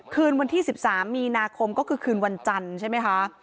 คืนวันที่๑๓มีนาคมก็คือคืนวันจันทร์ใช่ไหมคะ